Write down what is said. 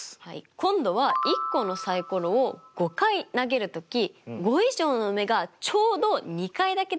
今度は１個のサイコロを５回投げるとき５以上の目がちょうど２回だけ出る確率を求めましょう。